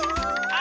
あ